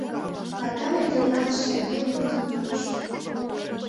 Натале ӱдырлан шергем луктын пуыш.